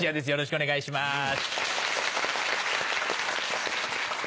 よろしくお願いします。